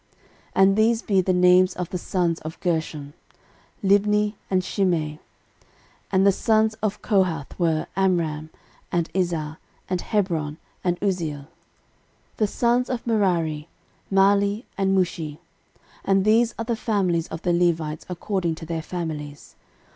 13:006:017 And these be the names of the sons of Gershom; Libni, and Shimei. 13:006:018 And the sons of Kohath were, Amram, and Izhar, and Hebron, and Uzziel. 13:006:019 The sons of Merari; Mahli, and Mushi. And these are the families of the Levites according to their fathers.